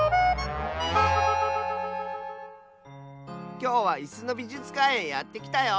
きょうはイスのびじゅつかんへやってきたよ！